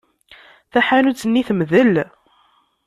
Taḥanut-nni temdel.